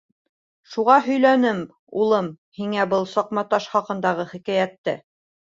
Шуға һөйләнем, улым, һиңә был саҡматаш хаҡындағы хикәйәтте.